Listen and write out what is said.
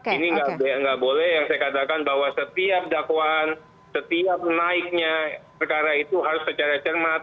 ini nggak boleh yang saya katakan bahwa setiap dakwaan setiap naiknya perkara itu harus secara cermat